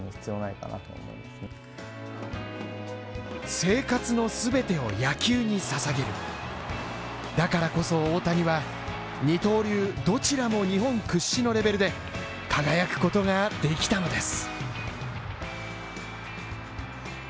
生活のすべてを野球に捧げるだからこそ、大谷は二刀流どちらも日本屈指のレベルで輝くことができたのです。